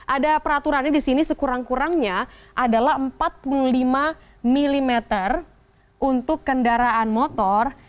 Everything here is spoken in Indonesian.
ada peraturannya di sini sekurang kurangnya adalah empat puluh lima mm untuk kendaraan motor